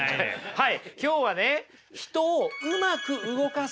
はい。